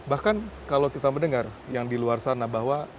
bahkan kalau kita mendengar yang di luar sana bahwa